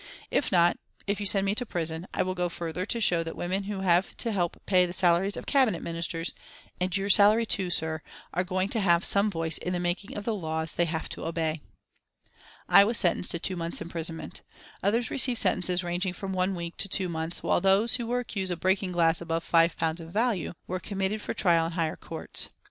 If not, if you send me to prison, I will go further to show that women who have to help pay the salaries of Cabinet Ministers, and your salary too, sir, are going to have some voice in the making of the laws they have to obey." I was sentenced to two months' imprisonment. Others received sentences ranging from one week to two months, while those who were accused of breaking glass above five pounds in value, were committed for trial in higher courts.